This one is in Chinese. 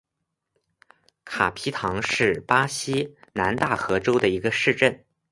卡皮唐是巴西南大河州的一个市镇。